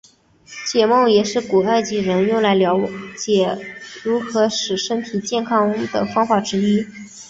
解梦也是古埃及人用来瞭解如何使身体健康的方法之一。